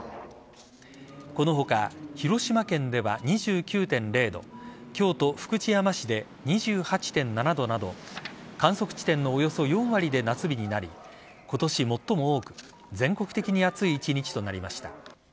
この他、広島県では２９．０度京都・福知山市で２８．７度など観測地点のおよそ４割で夏日になり今年最も多く全国的に熱い１日となりました。